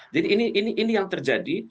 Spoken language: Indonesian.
jadi ini yang terjadi